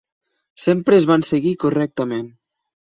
Sempre es van seguir correctament.